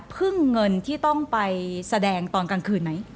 พึ่งเงินที่ต้องไปแสดงตอนกลางคืนไหม